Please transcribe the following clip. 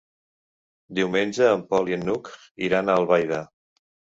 Diumenge en Pol i n'Hug iran a Albaida.